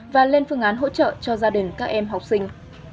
và lên phương án hỗ trợ cho gia đình các em học sinh